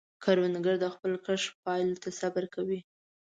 کروندګر د خپل کښت پایلو ته صبر کوي